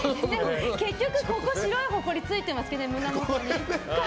結局、ここ白いほこりついてますね、胸元に。